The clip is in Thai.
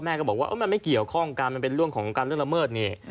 พ่อแม่บอกว่ามันไม่เกี่ยวของกำเป็นเรื่องของกำเริ่มละเมิด